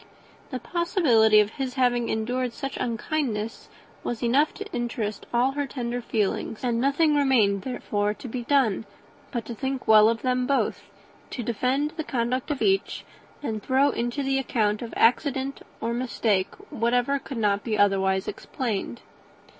The possibility of his having really endured such unkindness was enough to interest all her tender feelings; and nothing therefore remained to be done but to think well of them both, to defend the conduct of each, and throw into the account of accident or mistake whatever could not be otherwise explained.